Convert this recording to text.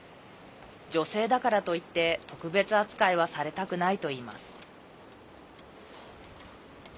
女性だからといって、特別扱いはされたくないといいます。